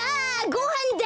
ごはんだ！